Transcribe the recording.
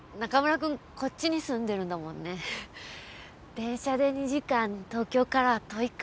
電車で２時間東京からは遠いか。